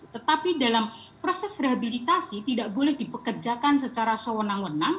tetapi dalam proses rehabilitasi tidak boleh dipekerjakan secara sewenang wenang